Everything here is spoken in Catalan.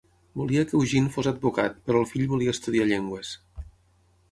Volia que Eugene fos advocat, però el fill volia estudiar llengües.